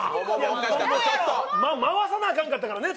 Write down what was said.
回さなあかんかったから。